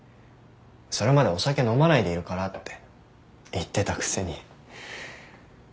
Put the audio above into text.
それまでお酒飲まないでいるからって言ってたくせに。